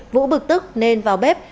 vũ bực tức nên vào bếp